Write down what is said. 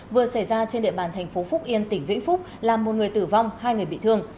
vừa xảy ra trên địa bàn thành phố phúc yên tỉnh vĩnh phúc làm một người tử vong hai người bị thương